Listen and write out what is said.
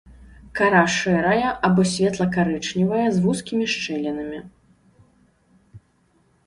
Кара шэрая або светла-карычневая з вузкімі шчылінамі.